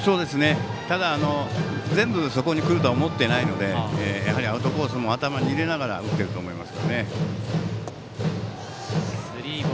ただ全部がそこに来るとは思っていないのでやはりアウトコースも頭に入れながら打っていくと思います。